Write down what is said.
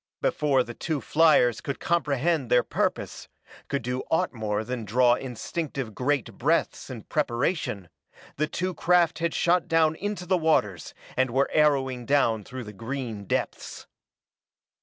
Before the two fliers could comprehend their purpose, could do aught more than draw instinctive great breaths in preparation, the two craft had shot down into the waters and were arrowing down through the green depths.